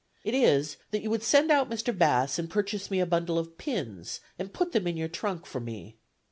It is, that you would send out Mr. Bass, and purchase me a bundle of pins and put them in your trunk for me.